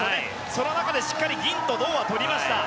その中でしっかり銀と銅は取りました。